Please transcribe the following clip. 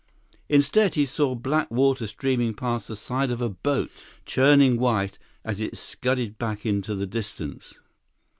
Instead, he saw black water streaming past the side of a boat, churning white as it scudded back into the distance.